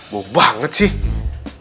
mau banget sih